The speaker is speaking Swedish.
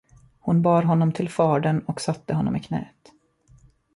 Hon bar honom till fadern och satte honom i knät.